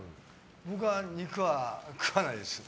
僕は肉は食わないです。